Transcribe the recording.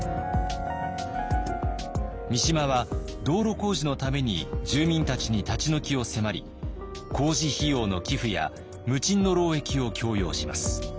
三島は道路工事のために住民たちに立ち退きを迫り工事費用の寄付や無賃の労役を強要します。